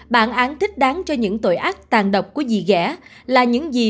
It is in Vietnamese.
bản án thích đáng cho những tội ác tàn độc của gì ghẻ là những gì